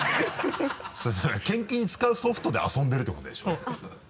それ研究に使うソフトで遊んでるってことでしょ？